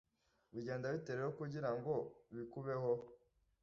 Bigenda bite rero kugirango bikubeho